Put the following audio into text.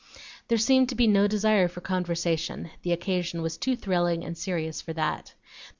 There seemed to be no desire for conversation; the occasion was too thrilling and serious for that.